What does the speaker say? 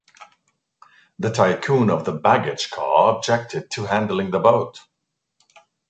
The tycoon of the baggage car objected to handling the boat.